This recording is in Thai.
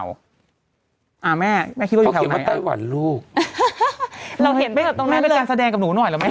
คุณแม่คิดว่าอยู่แถวไหน